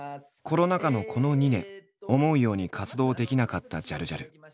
コロナ禍のこの２年思うように活動できなかったジャルジャル。